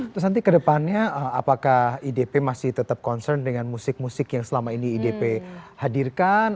terus nanti ke depannya apakah idp masih tetap concern dengan musik musik yang selama ini idp hadirkan